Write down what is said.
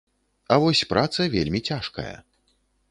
А вось праца вельмі цяжкая.